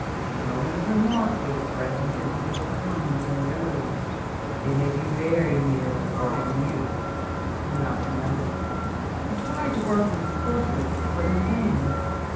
No one can mark where the presence of evil comes and goes. It may be very near, and you not know it." I tried to work on his portrait, but in vain.